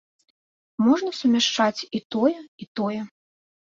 Можна сумяшчаць і тое, і тое.